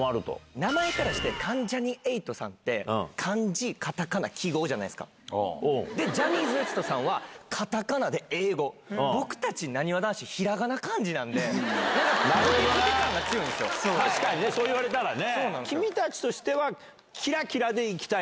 名前からして、関ジャニ∞さんって、漢字、カタカナ、記号じゃないですか、で、ジャニーズＷＥＳＴさんは、カタカナで英語、僕たちなにわ男子、ひらがな、漢字なんで、確かにそう言われたらね。